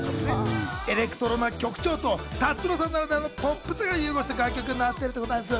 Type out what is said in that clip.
エレクトロな曲調と達郎さんならではのポップさが融合した楽曲になっているんです。